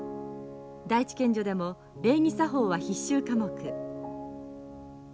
第一県女でも礼儀作法は必修課目。